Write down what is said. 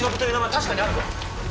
確かにあるぞ！